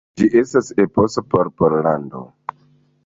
Ĝi estis eposo por Pollando.